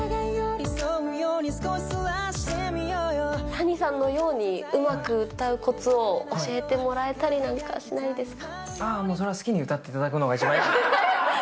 タニさんのようにうまく歌うこつを教えてもらえたりなんかしないそれは好きに歌っていただくのが一番いい。